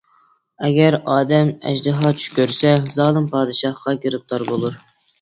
ئەگەر ئادەم ئەجدىھا چۈش كۆرسە، زالىم پادىشاھقا گىرىپتار بولۇر.